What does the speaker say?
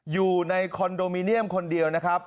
อยู่ในคอนโดมิเนียมคนเดียวนะครับ